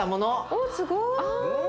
おっすごい。